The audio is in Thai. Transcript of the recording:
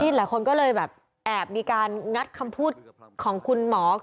หลายคนก็เลยแบบแอบมีการงัดคำพูดของคุณหมอ